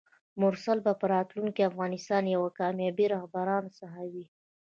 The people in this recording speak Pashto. مرسل به په راتلونکي کې د افغانستان یو له کاميابو رهبرانو څخه وي!